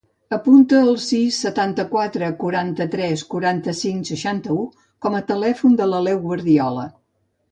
Apunta el sis, setanta-quatre, quaranta-tres, quaranta-cinc, seixanta-u com a telèfon de l'Aleu Guardiola.